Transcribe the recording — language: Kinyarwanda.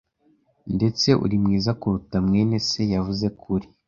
Ndetse uri mwiza kuruta mwene se yavuze ko uri.